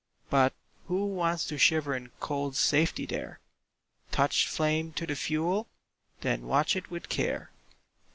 But who wants to shiver in cold safety there? Touch flame to the fuel! then watch it with care.